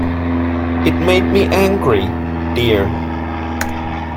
It made me angry, dear.